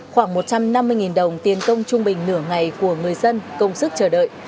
khoảng một trăm năm mươi đồng tiền công trung bình nửa ngày của người dân công sức chờ đợi